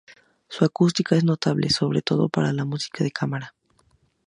Su acústica es notable, sobre todo para la música de cámara.